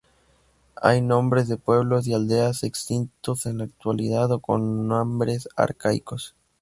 Hay nombres de pueblos y aldeas extintos en la actualidad o con nombres arcaicos.